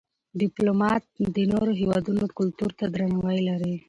ډيپلومات د نورو هېوادونو کلتور ته درناوی لري.